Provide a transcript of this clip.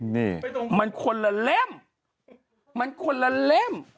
นี่มันควรระเล้ม